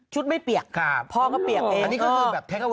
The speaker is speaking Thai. ชุดไม่เปียกพ่อก็เปียกเอง